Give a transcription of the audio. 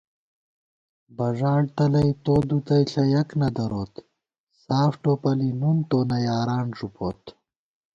بݫاڑ تلَئ تو دُتَئیݪہ یَک نہ دروت، ساف ٹوپَلی نُن تونہ یاران ݫُپوت